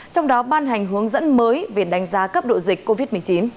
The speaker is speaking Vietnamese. trong đó ban hành hướng dẫn mới về đánh giá cấp độ dịch covid một mươi chín